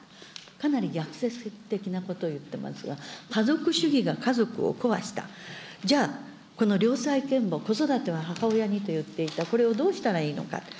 かなり逆説的なことを言ってますが、家族主義が家族を壊した、じゃあこの良妻賢母、子育ては母親にと言っていた、これをどうしたらいいのか。